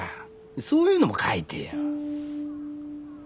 そういうのも書いてよ。